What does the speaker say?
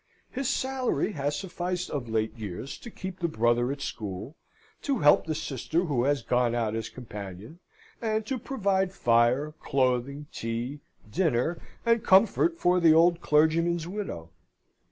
His salary has sufficed of late years to keep the brother at school, to help the sister who has gone out as companion, and to provide fire, clothing, tea, dinner, and comfort for the old clergyman's widow.